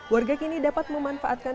warga kini dapat memanfaatkan